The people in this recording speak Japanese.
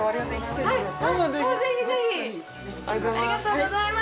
ぜひぜひ！ありがとうございます！